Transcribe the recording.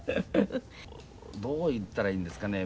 どう言ったらいいんですかね。